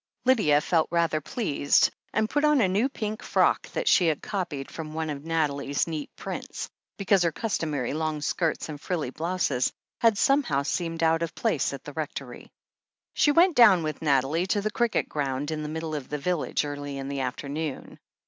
Lydia felt rather pleased, and put on a new pink frock that she had copied from one of Nathalie's neat prints, because her customary long skirts and frilly blouses had somehow seemed out of place at the Rec tory. • She went down with Nathalie to the cricket ground in the middle of the village, early in the afternoon.